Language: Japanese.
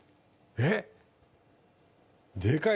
えっ？